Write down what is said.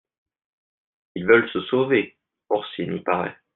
Ils veulent se sauver ; Orsini paraît.